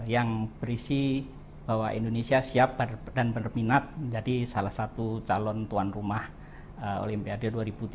yang berisi bahwa indonesia siap dan berminat menjadi salah satu calon tuan rumah olimpiade dua ribu tiga puluh